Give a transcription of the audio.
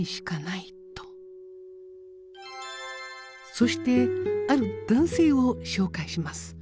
そしてある男性を紹介します。